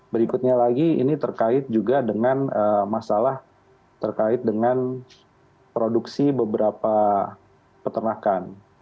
berikutnya lagi ini terkait juga dengan masalah terkait dengan produksi beberapa peternakan